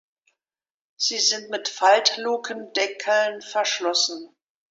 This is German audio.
Sie sind mit Faltlukendeckeln verschlossen.